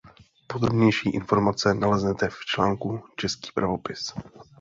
Podrobnější informace naleznete v článku Český pravopis.